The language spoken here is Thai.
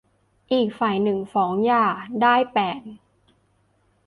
อีกฝ่ายหนึ่งฟ้องหย่าได้ แปด